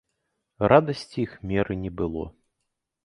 Радасці іх меры не было.